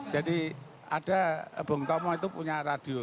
jadi ada bung tomo itu punya radio